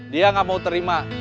dia gak mau terima